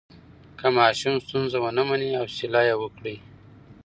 که ماشوم ستونزه ونه مني، حوصله یې وکړئ.